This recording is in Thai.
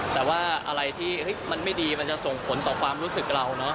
แต่ว่าอะไรที่มันไม่ดีมันจะส่งผลต่อความรู้สึกเราเนอะ